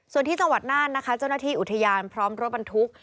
ส่วนที่จังหวัดน่านนะคะเจ้าหน้าที่อุทยานพร้อมรถบรรทุก